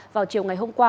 vào chiều ngày hôm qua